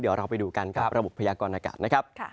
เดี๋ยวเราไปดูกันกับระบบพยากรณากาศนะครับ